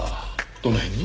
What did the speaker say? どの辺に？